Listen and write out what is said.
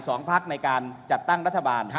สองภักดิ์ในการจัดตั้งรัฐบาล